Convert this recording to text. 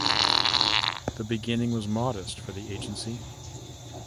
The beginning was modest for the agency.